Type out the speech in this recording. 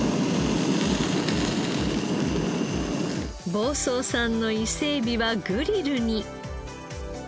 房総産の伊勢エビはグリルに。